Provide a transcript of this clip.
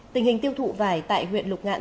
tình hình tiêu thụ vải tại huyện lục ngạn